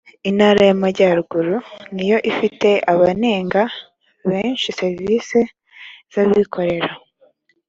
intara y amajyaruguru niyo ifite abanenga benshi serivisi z abikorera